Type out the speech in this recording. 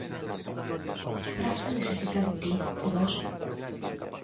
Praza necesita de ti, de vós.